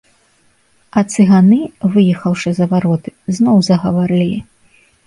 А цыганы, выехаўшы за вароты, зноў загаварылі.